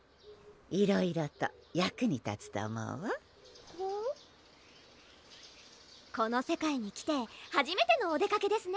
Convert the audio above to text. いろいろと役に立つと思うわこの世界に来てはじめてのお出かけですね！